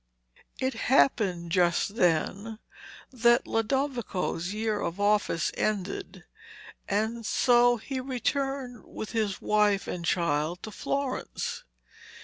It happened just then that Lodovico's year of office ended, and so he returned with his wife and child to Florence.